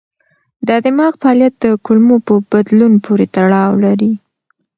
د دماغ فعالیت د کولمو په بدلون پورې تړاو لري.